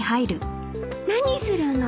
何するの？